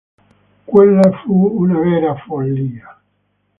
Quella fu una vera follia.